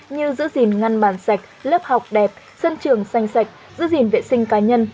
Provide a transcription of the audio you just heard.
như giữ gìn ngăn bàn sạch lớp học đẹp sân trường xanh sạch giữ gìn vệ sinh cá nhân